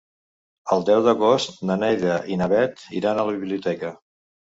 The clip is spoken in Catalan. El deu d'agost na Neida i na Bet iran a la biblioteca.